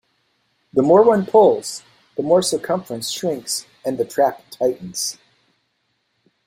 The more one pulls, the more the circumference shrinks and the trap tightens.